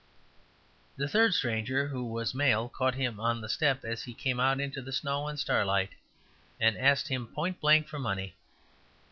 The third stranger, who was male, caught him on the step as he came out into the snow and starlight; and asked him point blank for money.